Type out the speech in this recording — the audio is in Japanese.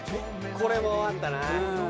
これもあったな。